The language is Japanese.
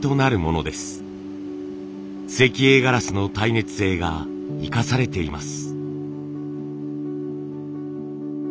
石英ガラスの耐熱性が生かされています。